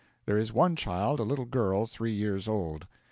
There is one child, a little girl three years old.